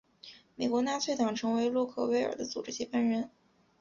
美国纳粹党成为洛克威尔的组织接班人。